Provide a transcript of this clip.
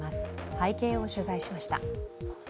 背景を取材しました。